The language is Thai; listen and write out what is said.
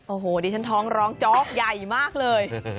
โอ้โหดิฉันท้องร้องโจ๊กใหญ่มากเลย